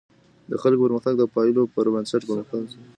د خلګو پرمختګ د پایلو پر بنسټ پرمخته ځي.